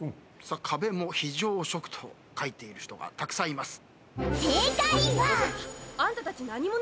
壁も「非常食」と書いている人がたくさんいます。